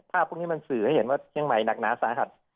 พวกนี้มันสื่อให้เห็นว่าเชียงใหม่หนักหนาสาหัส